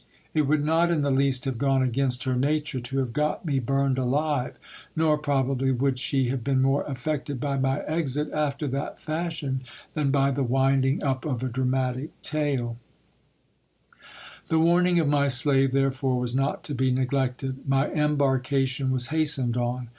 It would not in the least have gone against her nature to have got me burned alive ; nor probably would she have been more affected by my exit after that fashion, than by the winding up of a dramatic tale. The warning of my slave, therefore, was not to be neglected. My embarkation was hastened on.